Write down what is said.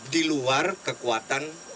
di luar kekuatan tni saat ini